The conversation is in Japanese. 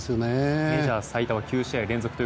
メジャー最多は９試合連続と。